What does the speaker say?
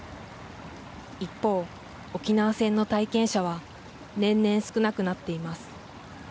一方、沖縄戦の体験者は年々少なくなっています。